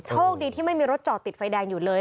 โชคดีที่ไม่มีรถจอดติดไฟแดงอยู่เลย